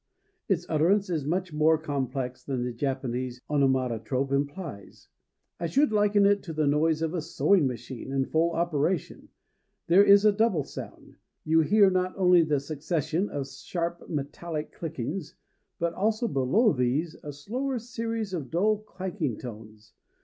Its utterance is much more complex than the Japanese onomatope implies; I should liken it to the noise of a sewing machine in full operation. There is a double sound: you hear not only the succession of sharp metallic clickings, but also, below these, a slower series of dull clanking tones.